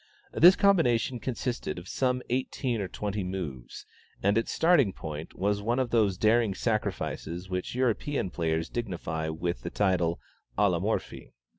This combination consisted of some eighteen or twenty moves, and its starting point was one of those daring sacrifices which European players dignify with the title "à la Morphy."